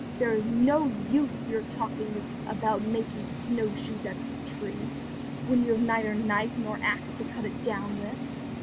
There is no use your talking about making snow shoes out of this tree, when you have neither knife nor axe to cut it down with!"